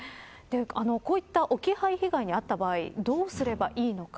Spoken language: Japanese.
こういった置き配被害に遭った場合どうすればいいのか。